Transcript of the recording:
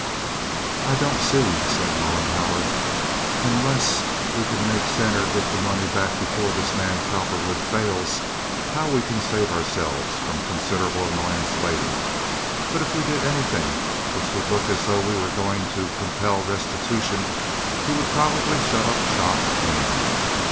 "I don't see," said Mollenhauer, "unless we can make Stener get the money back before this man Cowperwood fails, how we can save ourselves from considerable annoyance later; but if we did anything which would look as though we were going to compel restitution, he would probably shut up shop anyhow.